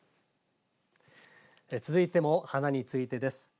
続いても花についてです。